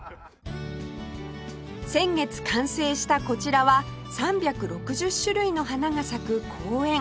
先月完成したこちらは３６０種類の花が咲く公園